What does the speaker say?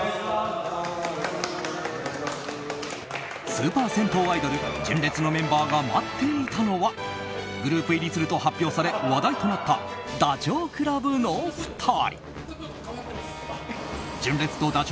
スーパー銭湯アイドル純烈のメンバーが待っていたのはグループ入りすると発表され話題となったダチョウ倶楽部の２人。